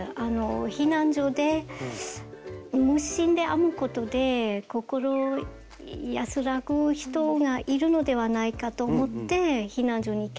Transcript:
避難所で無心で編むことで心安らぐ人がいるのではないかと思って避難所に毛糸を送ったんですね。